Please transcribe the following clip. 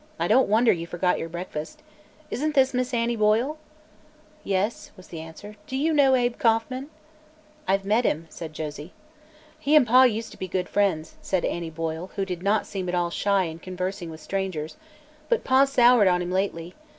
I don't wonder you forgot your breakfast. Isn't this Miss Annie Boyle?" "Yes," was the answer. "Do you know Abe Kauffman?" "I've met him," said Josie. "He an' Pa used to be good friends," said Annie Boyle, who did not seem at all shy in conversing with strangers, "but Pa's soured on him lately.